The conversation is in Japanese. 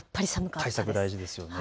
対策、大事ですよね。